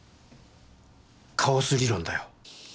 カオス理論だよ。